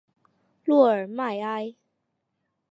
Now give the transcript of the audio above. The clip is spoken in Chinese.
洛尔迈埃。